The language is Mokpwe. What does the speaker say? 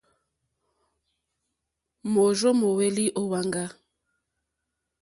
Môrzô móhwélì ó wàŋgá.